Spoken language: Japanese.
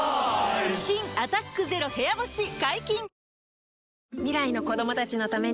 新「アタックＺＥＲＯ部屋干し」解禁‼